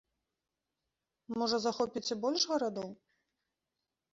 Можа, захопіце больш гарадоў?